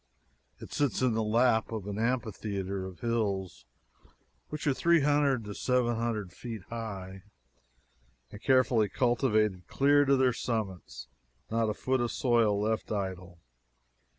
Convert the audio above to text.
It sits in the lap of an amphitheater of hills which are three hundred to seven hundred feet high, and carefully cultivated clear to their summits not a foot of soil left idle.